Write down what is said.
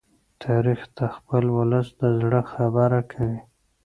تاریخ د خپل ولس د زړه خبره کوي.